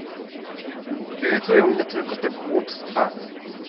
"Irytują mię tylko te głupstwa!"